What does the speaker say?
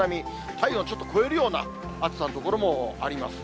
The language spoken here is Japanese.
体温をちょっと超えるような暑さの所もあります。